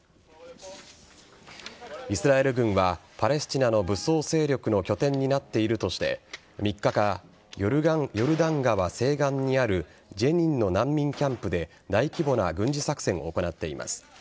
イスラエル軍はパレスチナの武装勢力の拠点になっているとして３日から、ヨルダン川西岸にあるジェニンの難民キャンプで大規模な軍事作戦を行っています。